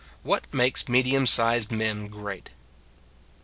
WHAT MAKES MEDIUM SIZED MEN GREAT?